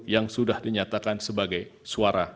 yang sudah dinyatakan sebagai suara